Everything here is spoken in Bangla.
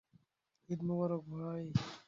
ঈদ মোবারক, ভাই।